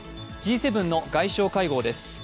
Ｇ７の外相会合です。